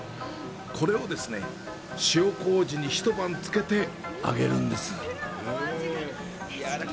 これを塩麹に一晩漬けて揚げるんです。